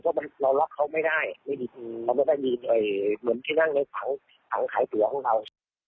เพราะเราล็อกเขาไม่ได้เราไม่ได้มีเหมือนที่นั่งในถังขายตัวของเรา